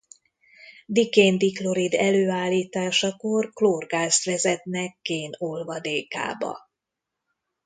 Dikén-diklorid előállításakor klórgázt vezetnek kén olvadékába.